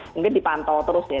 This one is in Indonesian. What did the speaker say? mungkin dipantau terus dia